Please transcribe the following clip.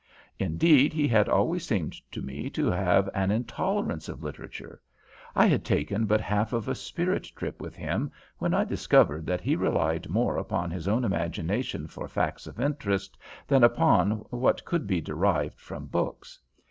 Indeed, he had always seemed to me to have an intolerance of literature. I had taken but half of a spirit trip with him when I discovered that he relied more upon his own imagination for facts of interest than upon what could be derived from books.